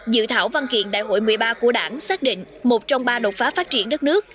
dự thảo văn kiện đại hội một mươi ba của đảng xác định một trong ba đột phá phát triển đất nước